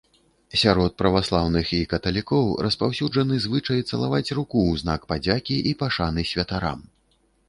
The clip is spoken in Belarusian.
Сярод праваслаўных і каталікоў распаўсюджаны звычай цалаваць руку ў знак падзякі і пашаны святарам.